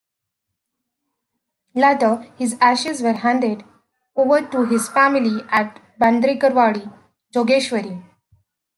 Later, his ashes were handed over to his family at Bandrekarwadi, Jogeshwari.